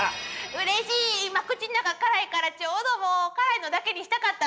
うれしい今口ん中辛いからちょうどもう辛いのだけにしたかった！